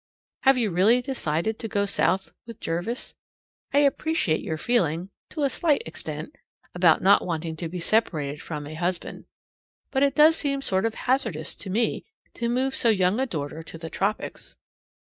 Have you really decided to go South with Jervis? I appreciate your feeling (to a slight extent) about not wanting to be separated from a husband; but it does seem sort of hazardous to me to move so young a daughter to the tropics.